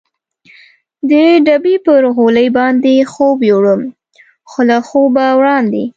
د ډبې پر غولي باندې خوب یووړم، خو له خوبه وړاندې.